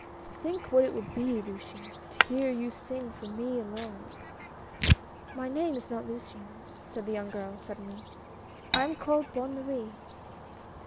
Think what it would be, Luciane, to hear you sing for me alone " "My name is not Luciane," said the young girl suddenly; "I am called Bonne Marie."